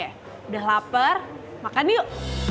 udah lapar makan yuk